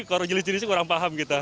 kalau jenis jenisnya kurang paham gitu